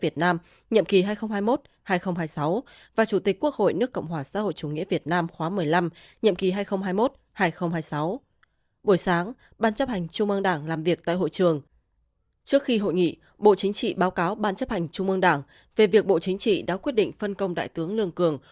trước khi hội nghị bộ chính trị báo cáo ban chấp hành trung ương đảng về việc bộ chính trị đã quyết định phân công đại tướng lương cường